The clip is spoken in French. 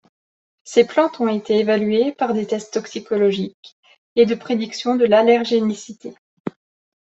Ces plantes ont été évaluées par des tests toxicologiques et de prédiction de l'allergénicité.